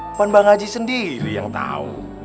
bukan pak aji sendiri yang tau